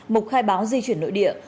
mục khai báo di chuyển nội địa